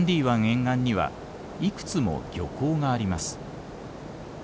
沿岸にはいくつも漁港があります。